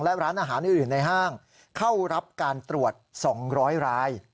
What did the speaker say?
และร้านอาหารอื่นในห้างเข้ารับการตรวจ๒๐๐ราย